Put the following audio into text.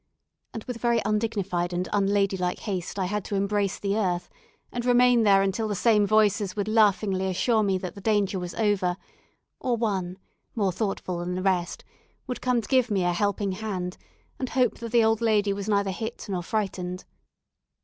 and with very undignified and unladylike haste I had to embrace the earth, and remain there until the same voices would laughingly assure me that the danger was over, or one, more thoughtful than the rest, would come to give me a helping hand, and hope that the old lady was neither hit nor frightened.